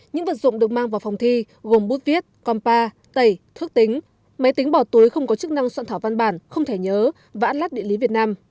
những vật dụng được mang vào phòng thi gồm bút viết conpa tẩy thước tính máy tính bỏ túi không có chức năng soạn thảo văn bản không thể nhớ và ăn lát địa lý việt nam